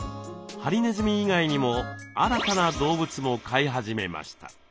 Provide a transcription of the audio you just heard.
ハリネズミ以外にも新たな動物も飼い始めました。